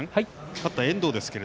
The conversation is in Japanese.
勝った遠藤です。